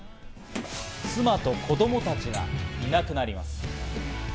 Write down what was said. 妻と子供たちがいなくなります。